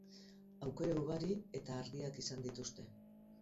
Aukera ugari eta argiak izan dituzte.